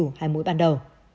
đủ hai mũi ban đầu